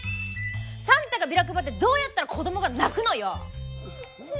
サンタがビラ配ってどうやったら子供が泣くのよ！